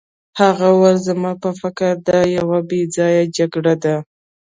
هغه وویل زما په فکر دا یوه بې ځایه جګړه ده.